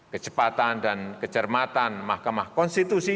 kecepatan dan kecermatan mahkamah konstitusi